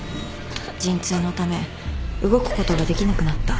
陣痛のため動くことができなくなった。